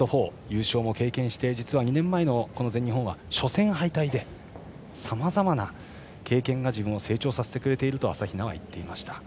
優勝も経験して、実は２年前のこの全日本は初戦敗退でさまざまな経験が自分を成長させてくれていると朝比奈は言っていました。